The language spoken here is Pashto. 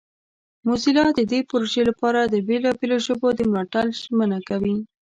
موزیلا د دې پروژې لپاره د بیلابیلو ژبو د ملاتړ ژمنه کوي.